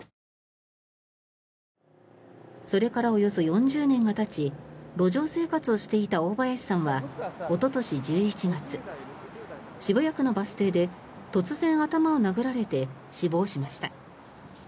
それからおよそ４０年がたち路上生活をしていた大林さんはおととし１１月渋谷区のバス停で突然頭を殴られて死亡しました。